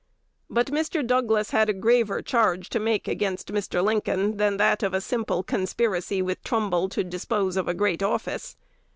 But Mr. Douglas had a graver charge to make against Mr. Lincoln than that of a simple conspiracy with Trumbull to dispose of a great office.